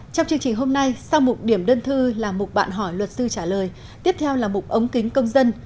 trong chương trình hôm nay sau mục điểm đơn thư là mục bạn hỏi luật sư trả lời tiếp theo là mục ống kính công dân